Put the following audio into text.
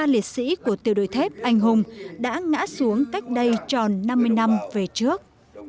ba liệt sĩ của tiểu đội thép anh hùng đã ngã xuống cách đây tròn năm mươi năm về trước